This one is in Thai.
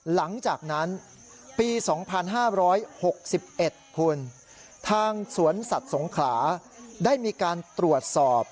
หลังจากนั้นปี๒๕๖๑คุณทางสวนสัตว์สงขลาได้มีการตรวจสอบ